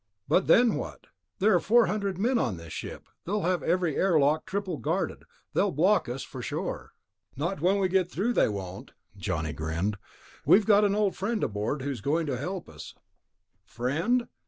"But then what? There are four hundred men on this ship. They'll have every airlock triple guarded. They'll block us for sure." "Not when we get through, they won't," Johnny grinned. "We've got an old friend aboard who's going to help us." "_Friend?